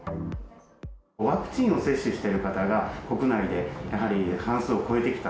ワクチンを接種している方が、国内でやはり半数を超えてきた。